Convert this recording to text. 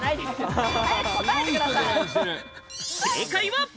正解は。